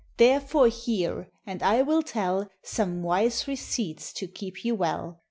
Therefore hear and I will tell Some wise receipts to keep you well.